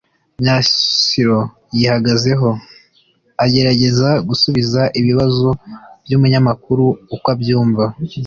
Myasiro yihagazeho agerageza gusubiza ibibazo by’umunyamakuru uko abyumva